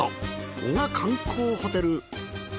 男鹿観光ホテル。